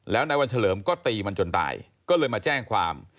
แล้วนายวันเฉลิมก็ตีมันจนตายก็เลยมาแจ้งความ